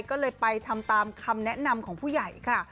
ก็เลยไปทำตามคำแนะนำของผู้ใหญ่ค่ะ